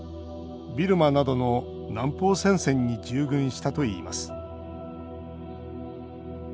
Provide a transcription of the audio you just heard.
ビルマなどの南方戦線に従軍したといいます。